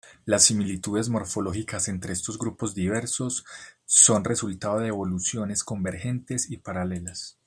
Las similitudes morfológicas entre estos grupos diversos son resultado de evoluciones convergentes y paralelas.